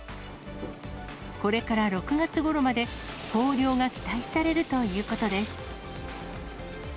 これから６月ごろまで、豊漁が期待されるということです。